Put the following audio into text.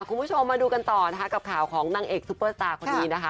คุณผู้ชมมาดูกันต่อนะคะกับข่าวของนางเอกซุปเปอร์สตาร์คนนี้นะคะ